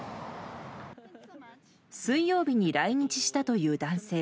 水曜日に来日したという男性。